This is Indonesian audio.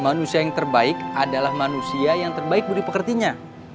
manusia yang terbaik adalah manusia yang terbaik budi pekertinya